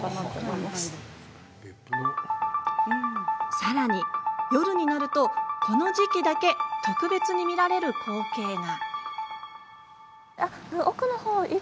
さらに夜になるとこの時期だけ特別に見られる光景が。